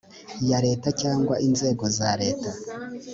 ya leta cyangwa inzego za leta